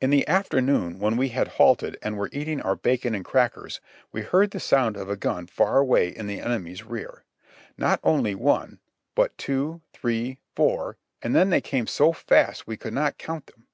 In the afternoon, when we had halted and were eating our bacon and crackers, we heard the sound of a gun far away in the enemy's rear; not only one, but two, three, four — and then they came so fast we could not count them